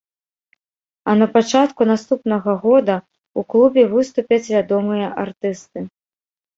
А на пачатку наступнага года ў клубе выступяць вядомыя артысты.